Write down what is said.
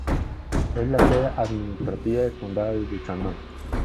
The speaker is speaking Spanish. Es la sede administrativa del Condado de Buchanan.